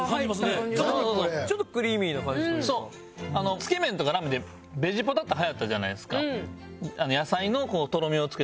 つけ麺とかラーメンでベジポタって流行ったじゃないですか。